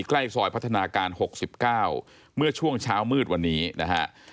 ใกล้ซอยพัฒนาการ๖๙เมื่อช่วงเช้ามืดวันนี้นะฮะ